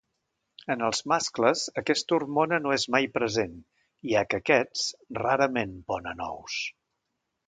En els mascles aquesta hormona no és mai present, ja que aquests rarament ponen ous.